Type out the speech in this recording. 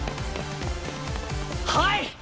はい！